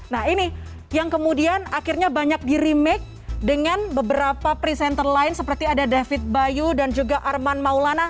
nah ini yang kemudian akhirnya banyak di remake dengan beberapa presenter lain seperti ada david bayu dan juga arman maulana